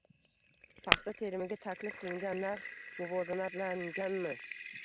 Paxta terimiga taklif qilingan narx muvozanatlanganmi?